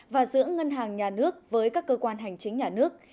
và giữa ngân hàng nhà nước với các cơ quan hành chính nhà nước